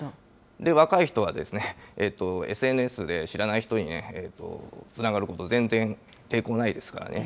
若い人は、ＳＮＳで知らない人につながること、全然抵抗ないですからね。